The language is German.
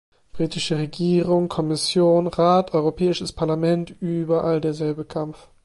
Britische Regierung, Kommission, Rat, Europäisches Parlament, überall derselbe Kampf.